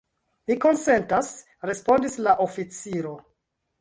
Mi konsentas, respondis la oficiro.